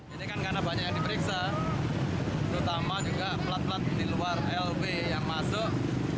ini kan karena banyak yang diperiksa terutama juga pelat pelat di luar lb yang masuk